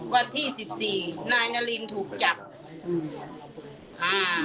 วันที่สิบสี่นายนารินถูกจับ